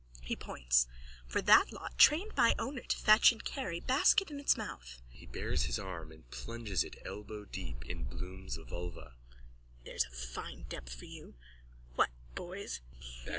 (He points.) For that lot. Trained by owner to fetch and carry, basket in mouth. (He bares his arm and plunges it elbowdeep in Bloom's vulva.) There's fine depth for you! What, boys?